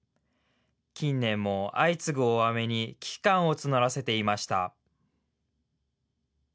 近年も相次ぐ大雨に危機感を募らせていました。